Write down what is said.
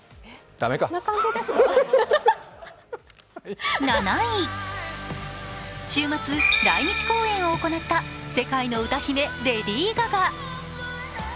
駄目か週末、来日公演を行った、世界の歌姫、レディー・ガガ。